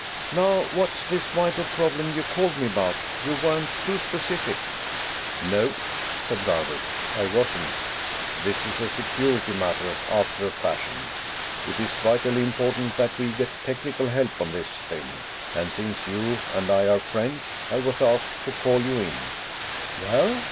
"Now, what's this vital problem you called me about? You weren't too specific." "No," said Garvers, "I wasn't. This is a security matter, after a fashion. It's vitally important that we get technical help on this thing, and since you and I are friends, I was asked to call you in." "Well?"